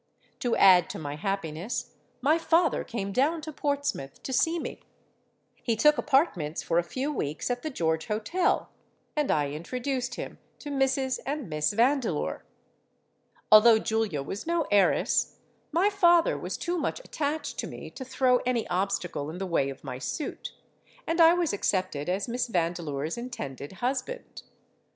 To add to my happiness my father came down to Portsmouth to see me: he took apartments for a few weeks at the George Hotel; and I introduced him to Mrs. and Miss Vandeleur. Although Julia was no heiress, my father was too much attached to me to throw any obstacle in the way of my suit; and I was accepted as Miss Vandeleur's intended husband.